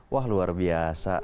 wah luar biasa